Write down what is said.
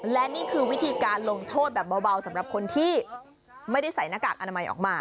และนี่คือวิธีการลงโทษแบบเบาสำหรับคนที่ไม่ได้ใส่หน้ากากอนามัยออกมา